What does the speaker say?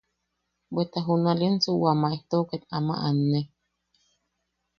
Bweta ket junalensu wa maejto ket ama anne.